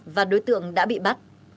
và đối tượng đã bị bắt